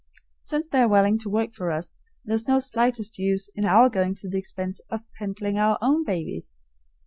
Since they are willing to work for us, there is no slightest use in our going to the expense of peddling our own babies.